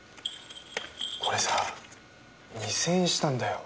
これさ２０００円したんだよ。